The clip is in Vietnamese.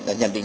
đã nhận định